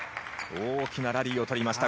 大きなラリーをとりました。